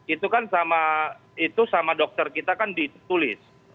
itu kan sama itu sama dokter kita kan ditulis